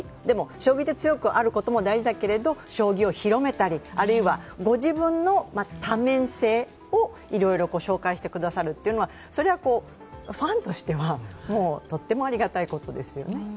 でも、将棋で強くあることも大事だけど、将棋を広めたり、あるいはご自分の多面性をいろいろ紹介してくださるというのはファンとしてはとってもありがたいことですよね。